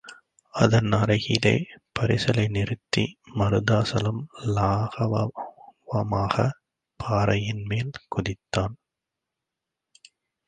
அதன் அருகிலே பரிசலை நிறுத்தி மருதாசலம் லாகவமாகப் பாறையின்மேல் குதித்தான்.